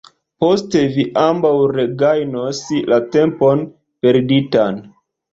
Poste vi ambaŭ regajnos la tempon perditan.